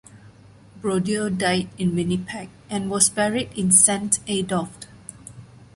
Brodeur died in Winnipeg and was buried in Saint Adolphe.